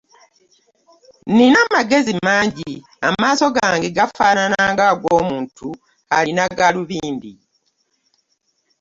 Nnina amagezi mangi; amaaso gange gafaanana ng'ag'omuntu alina gaalubindi.